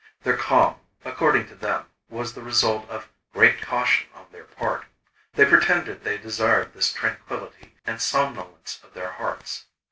Their calm, according to them, was the result of great caution on their part. They pretended they desired this tranquillity, and somnolence of their hearts.